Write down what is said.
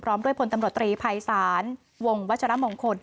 พร้อมด้วยพตรีไพรศาลวงศ์วัชละมงคล